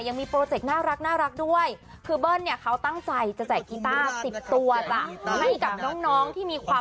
แต่ว่าแบบหนึ่งเมื่อแค่ไม่ใช่จะลมตีนะ